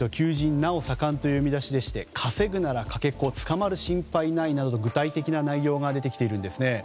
なお盛んという見出しでして稼ぐなら、かけ子捕まる心配ないなどと具体的な内容がでてきているんです。